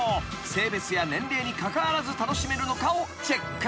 ［性別や年齢にかかわらず楽しめるのかをチェック］